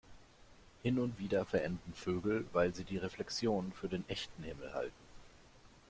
Hin und wieder verenden Vögel, weil sie die Reflexion für den echten Himmel halten.